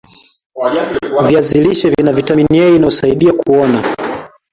viazi lishe Vina vitamini A inayosaidia kuona